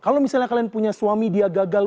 kalau misalnya kalian punya suami dia gagal